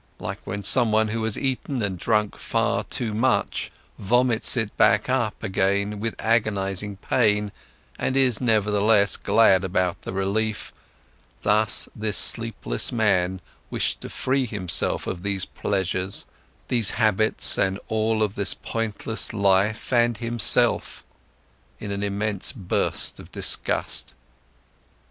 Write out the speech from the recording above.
Like when someone, who has eaten and drunk far too much, vomits it back up again with agonising pain and is nevertheless glad about the relief, thus this sleepless man wished to free himself of these pleasures, these habits and all of this pointless life and himself, in an immense burst of disgust.